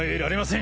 ん？